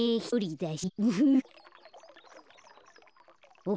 ひとりだし。